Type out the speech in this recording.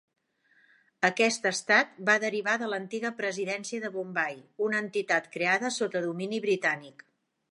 Aquest estat va derivar de l'antiga presidència de Bombai, una entitat creada sota domini britànic.